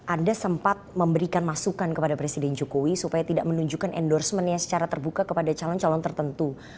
anda sempat memberikan masukan kepada presiden jokowi supaya tidak menunjukkan endorsementnya secara terbuka kepada calon calon tertentu